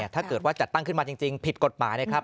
ถ้าเกิดว่าจัดตั้งขึ้นมาจริงผิดกฎหมายนะครับ